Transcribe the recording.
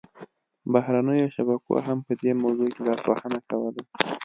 بهرنیو شبکو هم په دې موضوع کې لاسوهنه کوله